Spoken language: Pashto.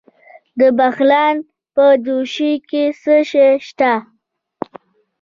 د بغلان په دوشي کې څه شی شته؟